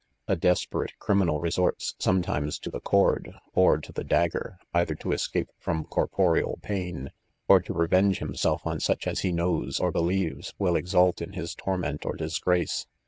A desperate criminal resorts sometimes to the cord, or to 'the dagger, either to eseape from corporeal pain, or to revenge himself on sucli as he knows or believes will ex ult in his torment or disgrace.